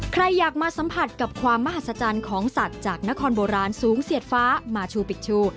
ใครอยากมาสัมผัสกับความมหัศจรรย์ของสัตว์จากนครโบราณสูงเสียดฟ้ามาชูปิดชู